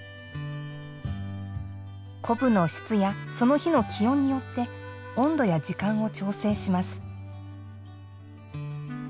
昆布の質やその日の気温によって温度や時間を調整します。